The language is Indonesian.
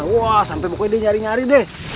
wah sampai pokoknya dia nyari nyari deh